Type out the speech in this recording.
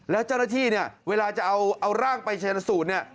แล้วเจ้าหน้าที่เนี่ยเวลาจะเอาร่างไปชนสูตรเนี่ย